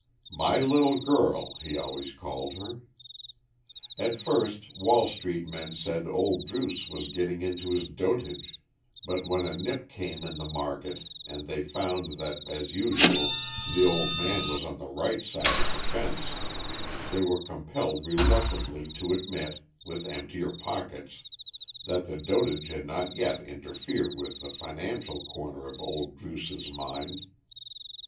"My little girl," he always called her. At first, Wall Street men said old Druce was getting into his dotage, but when a nip came in the market and they found that, as usual, the old man was on the right side of the fence, they were compelled reluctantly to admit, with emptier pockets, that the dotage had not yet interfered with the financial corner of old Druce's mind.